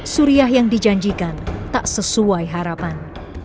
suriah yang dijanjikan tak sesuai harapan